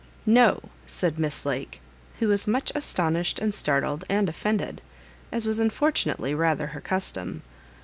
" No," said Mss Lake, who was much aston ished and startled and offended,' as was unfortu nately rather her custom.